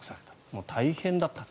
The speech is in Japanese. もう大変だった。